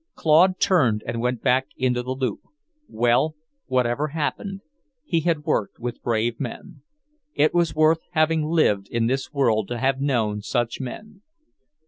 Claude turned and went back into the loop. Well, whatever happened, he had worked with brave men. It was worth having lived in this world to have known such men.